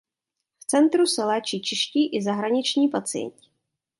V centru se léčí čeští i zahraniční pacienti.